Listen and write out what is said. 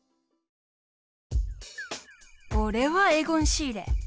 おれはエゴン・シーレ。